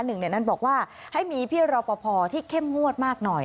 หนึ่งในนั้นบอกว่าให้มีพี่รอปภที่เข้มงวดมากหน่อย